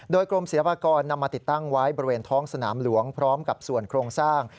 โดยกรมศิลปากรนำมาติดตั้งไว้บริเวณท้องสนามหลวงพร้อมกับส่วนโครงสร้าง